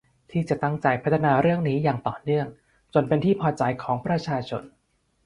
ที่จะตั้งใจพัฒนาเรื่องนี้อย่างต่อเนื่องจนเป็นที่พอใจของประชาชน